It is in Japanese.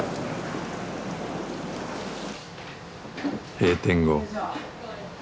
閉店後。